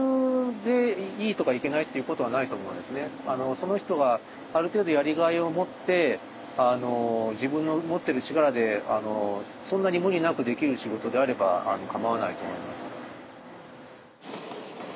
その人がある程度やりがいを持って自分の持ってる力でそんなに無理なくできる仕事であればかまわないと思います。